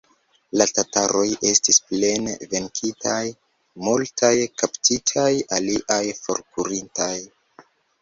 La tataroj estis plene venkitaj, multaj kaptitaj, aliaj forkurintaj.